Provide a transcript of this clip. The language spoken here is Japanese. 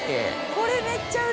これ。